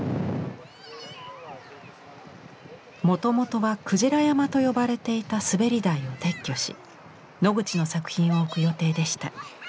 もともとはクジラ山と呼ばれていた滑り台を撤去しノグチの作品を置く予定でした。